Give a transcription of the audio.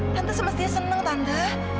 tante semestinya seneng tante